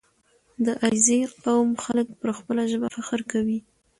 • د علیزي قوم خلک پر خپله ژبه فخر کوي.